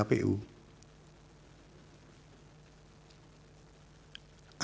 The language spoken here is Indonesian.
apa yang dilanggar oleh kpu